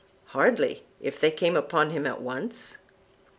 Hardly, if they came upon him at once.